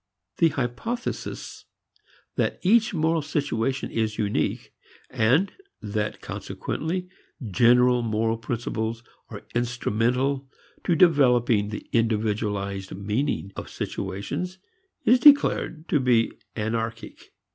The hypothesis that each moral situation is unique and that consequently general moral principles are instrumental to developing the individualized meaning of situations is declared to be anarchic.